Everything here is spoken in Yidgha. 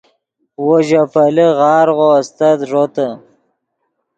وو ژے پیلے غارغو استت ݱوتے